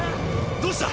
どうした？